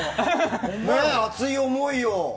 熱い思いを。